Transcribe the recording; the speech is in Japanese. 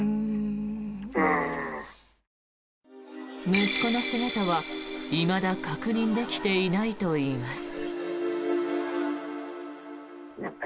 息子の姿は、いまだ確認できていないといいます。